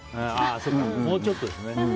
そうか、もうちょっとですね。